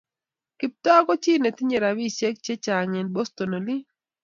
Kiptoo ko chi ne tindo rabisiek che chang eng Boston olin